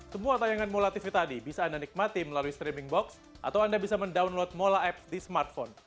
semua tayangan mulatv tadi bisa anda nikmati melalui streaming box atau anda bisa mendownload mulaapp di smartphone